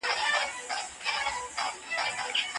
بهرنی سیاست د هیواد په سیاسي او اقتصادي وده کي لوی رول لري.